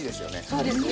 そうですね。